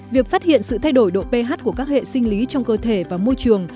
việc phát hiện sự thay đổi độ ph của các hệ sinh lý trong cơ thể và môi trường